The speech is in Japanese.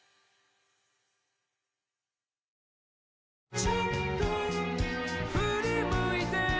「ちょっとふり向いて」